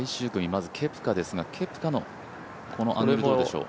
まずケプカですが、ケプカのこのアングルはどうでしょう？